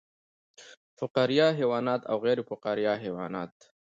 فقاریه حیوانات او غیر فقاریه حیوانات